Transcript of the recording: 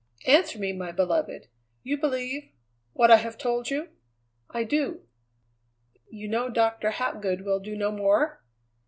"Answer me, my beloved! You believe what I have told you?" "I do." "You know Doctor Hapgood will do no more?"